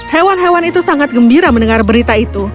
hewan hewan itu sangat gembira mendengar berita itu